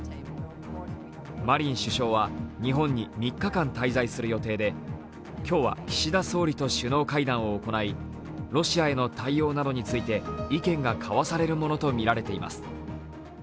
マリン首相は日本に３日間滞在する予定で、今日は、岸田総理と首脳会談を行いロシアへの対応などについて意見が交わされるものとみられています。